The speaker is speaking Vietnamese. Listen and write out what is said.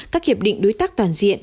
các hiệp định đối tác toàn diện